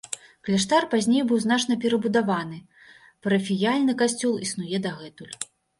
Кляштар пазней быў значна перабудаваны, парафіяльны касцёл існуе дагэтуль.